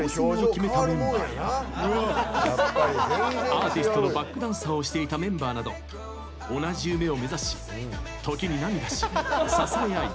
アーティストのバックダンサーをしていたメンバーなど同じ夢を目指し時に涙し支え合い